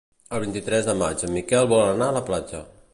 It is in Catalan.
El vint-i-tres de maig en Miquel vol anar a la platja.